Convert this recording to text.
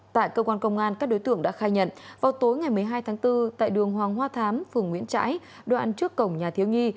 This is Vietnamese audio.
tại cơ quan công an các đối tượng đã khai nhận vào tối ngày một mươi hai tháng bốn tại đường hoàng hoa thám phường nguyễn trãi đoạn trước cổng nhà thiếu nhi